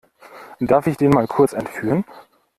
Darf ich den mal kurz entführen?